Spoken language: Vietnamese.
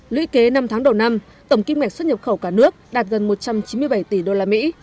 lũy kế năm tháng đầu năm tổng kinh mạch xuất nhập khẩu cả nước đạt gần một trăm chín mươi bảy tỷ đô la mỹ